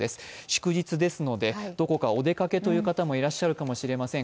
祝日ですので、どこかお出かけという方もいらっしゃるかもしれません。